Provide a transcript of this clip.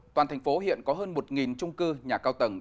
toàn thành phố hiện có hơn một trung cư nhà cao tầng